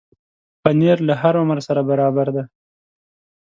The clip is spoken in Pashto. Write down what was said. پنېر له هر عمر سره برابر دی.